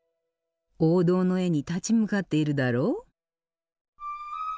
王道の絵に立ち向かっているだろ？